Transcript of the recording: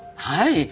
はい。